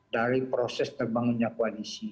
dari proses terbangunnya koalisi